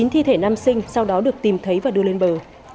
chín thi thể nam sinh sau đó được tìm thấy và đưa lên bờ